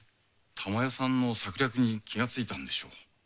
珠代さんの策略に気がついたんでしょう。